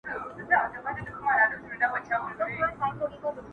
د هر وګړي زړه ټکور وو اوس به وي او کنه!!